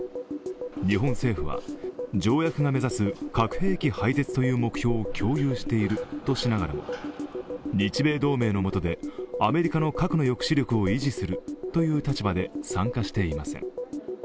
日本政府は、条約が目指す核兵器廃絶という目標を共有しているとしながらも日米同盟のもとでアメリカの核の抑止力を維持するという立場で参加していません。